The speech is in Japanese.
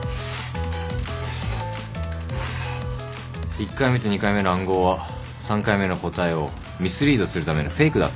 １回目と２回目の暗号は３回目の答えをミスリードするためのフェイクだったんですよね？